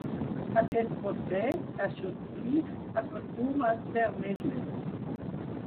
Aquest procés, això sí, acostuma a ser més lent.